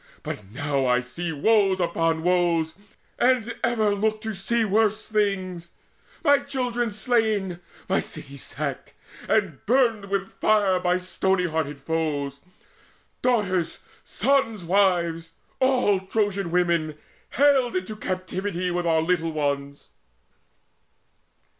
But now I see Woes upon woes, and ever look to see Worse things my children slain, my city sacked And burned with fire by stony hearted foes, Daughters, sons' wives, all Trojan women, haled Into captivity with our little ones!"